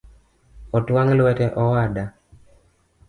Otwang’ lwete owada